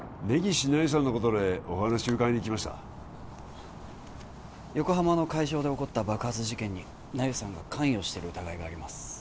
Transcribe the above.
根岸那由さんのことでお話伺いに来ました横浜の海上で起こった爆発事件に那由さんが関与している疑いがあります